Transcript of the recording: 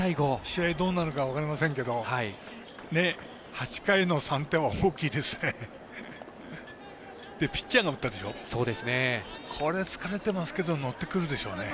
試合どうなるか分かりませんけど８回の３点は大きいですね。